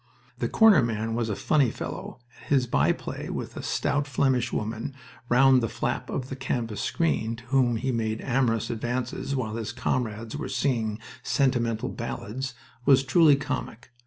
The corner man was a funny fellow, and his by play with a stout Flemish woman round the flap of the canvas screen, to whom he made amorous advances while his comrades were singing sentimental ballads, was truly comic.